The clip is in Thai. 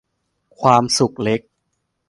ความสุขเล็ก